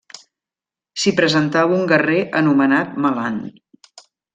S'hi presentà un guerrer anomenat Melant.